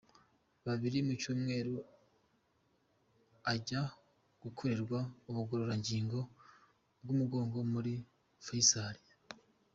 Kabiri mu cyumweru ajya gukorerwa ubugororangingo bw'umugongo muri Faisal.